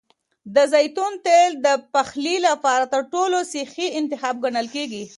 د زیتون تېل د پخلي لپاره تر ټولو صحي انتخاب ګڼل کېږي.